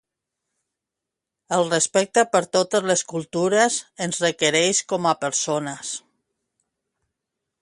El respecte per totes les cultures ens enriqueix com a persones.